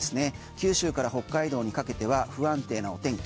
九州から北海道にかけては不安定なお天気。